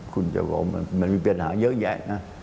คุณจะบอกว่ามันมีปัญหาเยอะแยะนะ